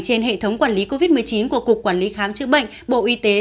trên hệ thống quản lý covid một mươi chín của cục quản lý khám chữa bệnh bộ y tế